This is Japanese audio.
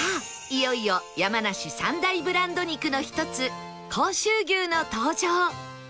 いよいよ山梨３大ブランド肉の１つ甲州牛の登場